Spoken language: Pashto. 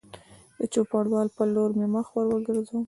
د چوپړوال په لور مې مخ ور وګرځاوه